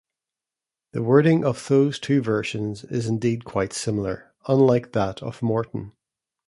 The wording of those two versions is indeed quite similar, unlike that of Morton.